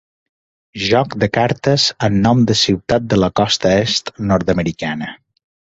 Joc de cartes amb nom de ciutat de la costa Est nord-americana.